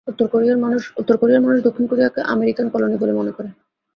উত্তর কোরিয়ার মানুষ, দক্ষিণ কোরিয়াকে আমেরিকান কলোনি বলে মনে করে।